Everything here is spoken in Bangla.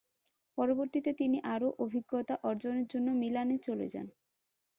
পরবর্তীতে তিনি আরো অভিজ্ঞতা অর্জনের জন্য মিলানে চলে যান।